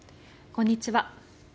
こんにちは。